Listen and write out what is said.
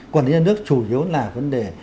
quản lý dân nước chủ yếu là vấn đề